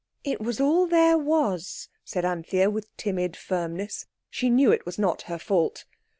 "It was all there was," said Anthea, with timid firmness. She knew it was not her fault.